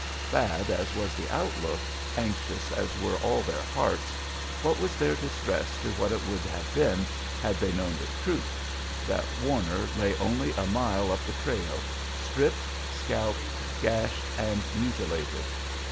Bad as was the outlook, anxious as were all their hearts, what was their distress to what it would have been had they known the truth, that Warner lay only a mile up the trail, stripped, scalped, gashed, and mutilated!